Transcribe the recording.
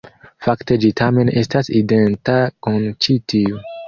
Fakte ĝi tamen estas identa kun ĉi tiu.